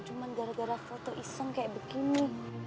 cuma gara gara foto iseng kayak begini